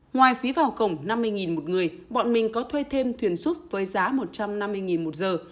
ngoài phí vào cổng năm mươi một người bọn mình có thuê thêm thuyền súp với giá một trăm năm mươi một giờ